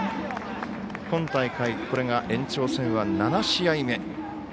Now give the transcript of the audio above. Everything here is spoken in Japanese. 今大会、これが延長戦は７試合目。